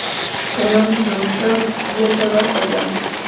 قلم د استاد وسلې ته ورته دی.